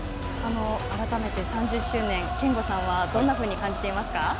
改めて、３０周年、憲剛さんはどんなふうに感じていますか。